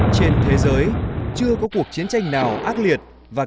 trên thế giới chưa có cuộc chiến tranh nào ác liệt và